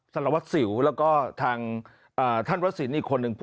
ศรวจศิวแล้วก็ท่านวัดศิลป์อีกคนนึง